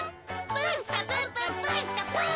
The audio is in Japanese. プンスカプンプンプンスカプン！